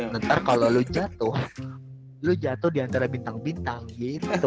ntar kalo lu jatuh lu jatuh diantara bintang bintang gitu